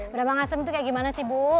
berambang asem itu kayak gimana sih bu